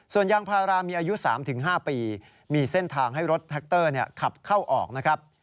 ส่วนยางพารามีอายุ๓๕ปีมีเส้นทางให้รถแท็กเตอร์ขับเข้าออกนะครับ